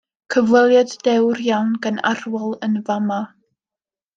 Cyfweliad dewr iawn gan Arwel yn fa'ma.